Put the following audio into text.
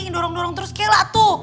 ngintorong dorong terus kela tuh